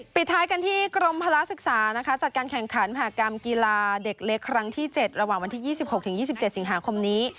ปิดท้ายกันที่กรมภาระศึกษานะคะจัดการแข่งขันมหากรรมกีฬาเด็กเล็กครั้งที่๗ระหว่างวันที่๒๖๒๗สิงหาคมนี้